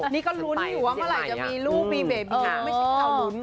นี่ก็ลุ้นอยู่ว่าเมื่อไหร่จะมีลูกมีเบบีไม่ใช่เขาลุ้น